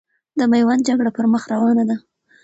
د میوند جګړه پرمخ روانه ده.